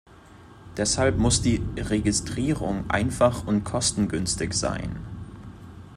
Deshalb muss die Registrierung einfach und kostengünstig sein.